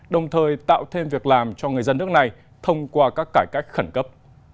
đồng thời tạo thêm việc làm cho người dân nước này thông qua các cải cách khẩn cấp